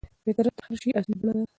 فطرت د هر شي اصلي بڼه ده.